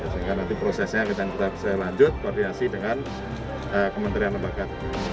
sehingga nanti prosesnya kita bisa lanjut koordinasi dengan kementerian lembaga